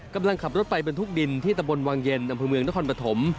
กำลังขับรถไปบรรทุกดินที่ตะบนวังเย็นอำเภอเมืองนครปฐม